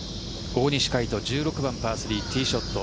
大西魁斗１６番、パー３、ティーショット。